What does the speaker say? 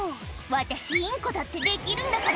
「私インコだってできるんだから」